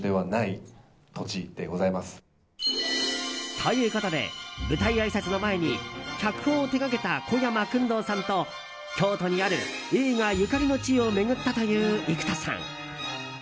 ということで舞台あいさつの前に脚本を手がけた小山薫堂さんと京都にある映画ゆかりの地を巡ったという生田さん。